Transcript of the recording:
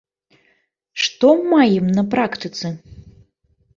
Што маем на практыцы?